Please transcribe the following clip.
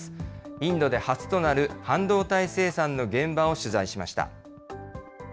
インドで初となる半導体生産の現場を取材しました。